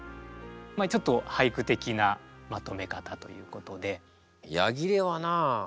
ちょっと俳句的なまとめ方ということで。